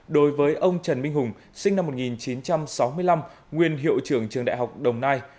đối với ông trần minh hùng sinh năm một nghìn chín trăm sáu mươi năm nguyên hiệu trưởng trường đại học đồng nai